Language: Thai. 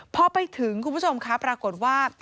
พอไปถึงคุณผู้ชมครับปรากฏว่า